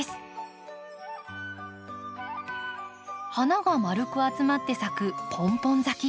花が丸く集まって咲くポンポン咲き。